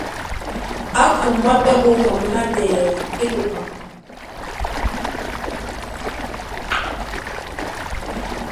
Á kumwá pɛ́ ɓóŋgwa mɔ́ nátɛɛ é koka.